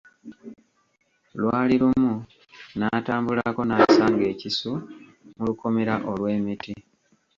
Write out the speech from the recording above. Lwali lumu, n'atambulako, n'asanga ekisu mu lukomera olw'emiti.